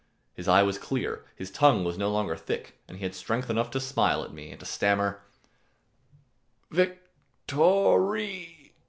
His eye was clear, his tongue was no longer thick, and he had strength enough to smile at me and to stammer, "Vic to ry!"